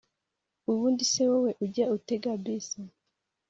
Ubundi se wowe ujya utega bus